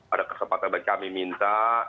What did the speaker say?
ada kesempatan kami minta